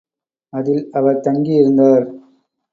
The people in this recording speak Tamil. அதில் அவர் தங்கி இருந்தார்.